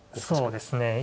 そうですね。